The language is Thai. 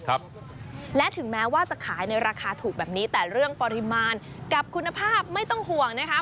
ครับและถึงแม้ว่าจะขายในราคาถูกแบบนี้แต่เรื่องปริมาณกับคุณภาพไม่ต้องห่วงนะคะ